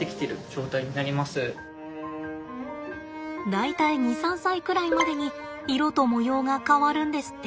大体２３歳くらいまでに色と模様が変わるんですって。